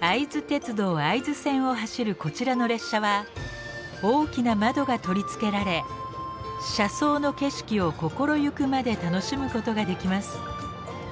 会津鉄道会津線を走るこちらの列車は大きな窓が取り付けられ車窓の景色を心ゆくまで楽しむことができます。